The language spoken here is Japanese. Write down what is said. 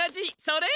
それ！